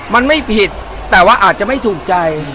มันไม่ผิดแต่ว่าอาจจะไม่ถูกใจ